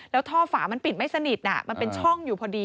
แล้วท่อฝามันปิดไม่สนิทมันเป็นช่องอยู่พอดี